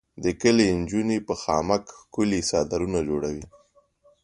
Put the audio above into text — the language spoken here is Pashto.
د کلي انجونې په خامک ښکلي څادرونه جوړوي.